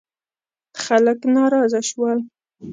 خلک ناراضه شول.